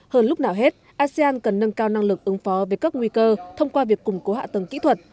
hơn lúc nào hết asean cần nâng cao năng lực ứng phó về các nguy cơ thông qua việc củng cố hạ tầng kỹ thuật